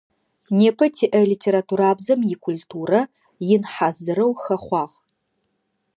Непэ тиӏэ литературабзэм икультурэ ин хьазырэу хэхъуагъ.